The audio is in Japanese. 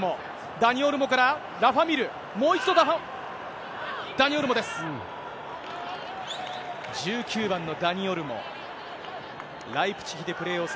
ダニ・オルモから、ラファ・ミール、もう一度、ダニ・オルモです。